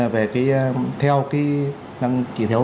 về cái theo